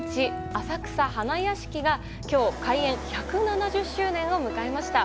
浅草花やしきが今日、開園１７０周年を迎えました。